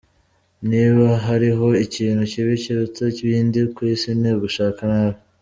Niba hariho ikintu kibi kiruta ibindi ku isi ni ugushaka nabi.